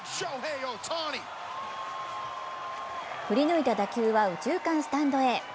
振り抜いた打球は右中間スタンドへ。